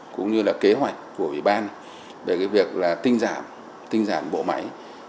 cũng như là kế hoạch của ủy ban về cái việc là tinh giảm tinh giảm bộ mặt